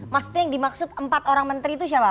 maksudnya yang dimaksud empat orang menteri itu siapa